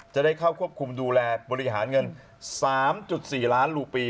จะได้เข้าควบคุมดูแลบริหารเงิน๓๔ล้านรูปี